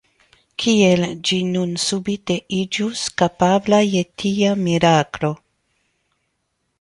Kiel ĝi nun subite iĝus kapabla je tia miraklo?